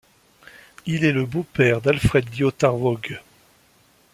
Il est le beau-père d'Alfred Liotard-Vogt.